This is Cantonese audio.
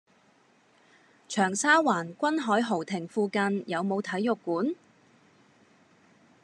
長沙灣君凱豪庭附近有無體育館？